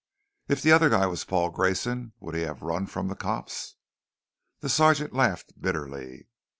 "If the other guy was Paul Grayson, would he have run from cops?" The sergeant laughed bitterly.